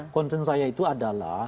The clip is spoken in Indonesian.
konsen saya itu adalah